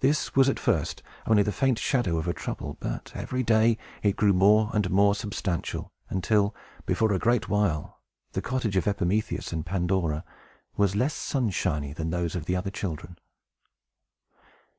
This was at first only the faint shadow of a Trouble; but, every day, it grew more and more substantial, until, before a great while, the cottage of Epimetheus and Pandora was less sunshiny than those of the other children.